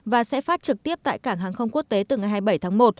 và sẽ phát trực tiếp tại cảng hàng không quốc tế từ ngày hai mươi bảy tháng một